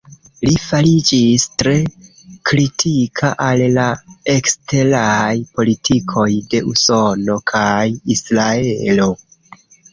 Li fariĝis tre kritika al la eksteraj politikoj de Usono kaj Israelo.